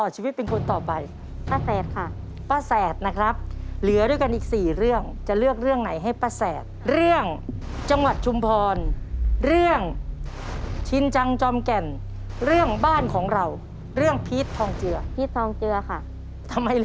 สิบหลายสิบหลายสิบหลายสิบหลายสิบหลายสิบหลายสิบหลายสิบหลาย